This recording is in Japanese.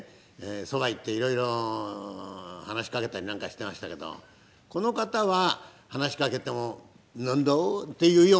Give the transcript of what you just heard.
そばへ行っていろいろ話しかけたりなんかしてましたけどこの方は話しかけても「何だあ？」っていうようなことはなかったですね。